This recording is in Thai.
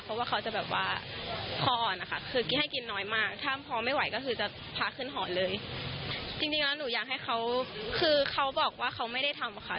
เพราะว่าเขาจะแบบว่าคออ่อนนะคะคือกินให้กินน้อยมากถ้าพอไม่ไหวก็คือจะพาขึ้นหอเลยจริงจริงแล้วหนูอยากให้เขาคือเขาบอกว่าเขาไม่ได้ทำค่ะ